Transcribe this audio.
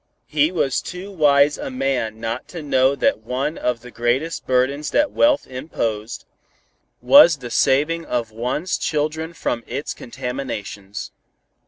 He was too wise a man not to know that one of the greatest burdens that wealth imposed, was the saving of one's children from its contaminations.